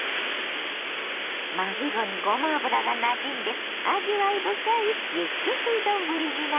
まぐろにごま油がなじんで味わい深いユッケ風丼になりました。